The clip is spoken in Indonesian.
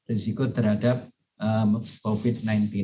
risiko terhadap covid sembilan belas